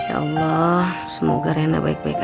ya allah semoga rena baik baik